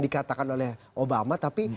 dikatakan oleh obama tapi